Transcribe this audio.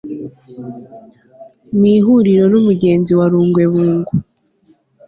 ni ihuriro n'umugezi wa lungwebungu